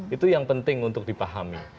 itu yang penting untuk dipahami